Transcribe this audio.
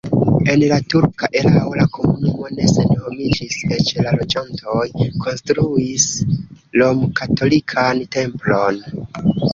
En la turka erao la komunumo ne senhomiĝis, eĉ la loĝantoj konstruis romkatolikan templon.